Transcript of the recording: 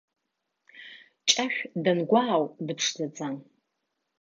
Ҷашә дангәаау дыԥшӡаӡам.